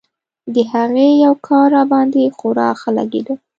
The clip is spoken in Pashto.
د هغې يو کار راباندې خورا ښه لګېده.